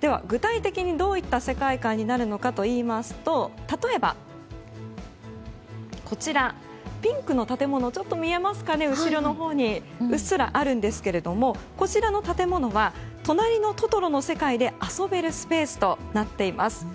では、具体的にどういった世界観になるのかといいますと例えばピンクの建物見えますかね、後ろのほうにうっすらあるんですがこちらの建物は「となりのトトロ」の世界で遊べるスペースとなっています。